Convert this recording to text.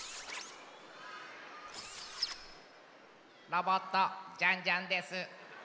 ロボットジャンジャンです。